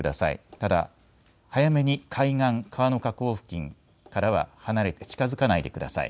ただ早めに海岸、川の河口付近からは離れて近づかないでください。